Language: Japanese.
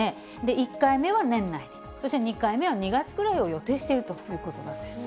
１回目は年内に、そして２回目は２月くらいを予定しているということなんです。